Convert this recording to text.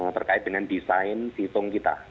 terkait dengan desain situng kita